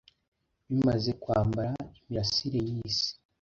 bimaze kwambara imirasire yisi